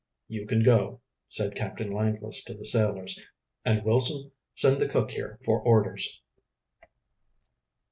"You can go," said Captain Langless to the sailors. "And, Wilson, send the cook here for orders."